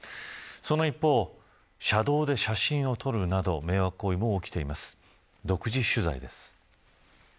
その一方、車道で写真を撮るなど迷惑行為も起きています。